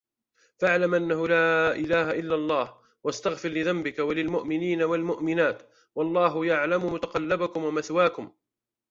فَاعْلَمْ أَنَّهُ لَا إِلَهَ إِلَّا اللَّهُ وَاسْتَغْفِرْ لِذَنْبِكَ وَلِلْمُؤْمِنِينَ وَالْمُؤْمِنَاتِ وَاللَّهُ يَعْلَمُ مُتَقَلَّبَكُمْ وَمَثْوَاكُمْ